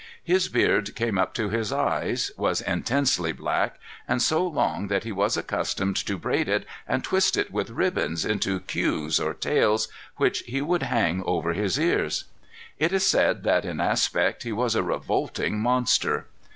His beard came up to his eyes, was intensely black, and so long that he was accustomed to braid it and twist it with ribbons into cues, or tails, which he would hang over his ears. It is said that in aspect he was a revolting monster.